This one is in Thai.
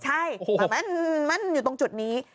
ใช่มันอยู่ตรงจุดนี้